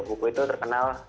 buku itu terkenal